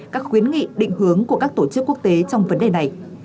các khuyến nghị định hướng của các tổ chức quốc tế trong vấn đề này